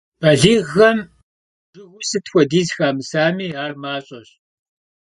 Baliğxem jjıgıu sıt xuediz xamısami, ar maş'eş.